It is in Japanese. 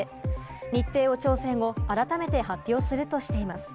日程を調整後、改めて発表するとしています。